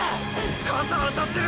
肩当たってる！！